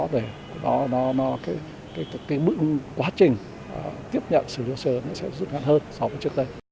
để cái bước quá trình tiếp nhận xử lý hồ sơ sẽ dựng hạn hơn so với trước đây